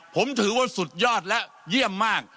ผมถือว่าสุดยอดและเยี่ยมมาก